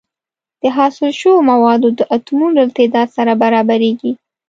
د حاصل شوو موادو د اتومونو له تعداد سره برابریږي.